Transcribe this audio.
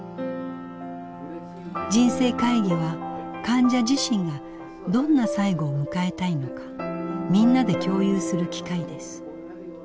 人生会議は患者自身がどんな最期を迎えたいのかみんなで共有する機会です。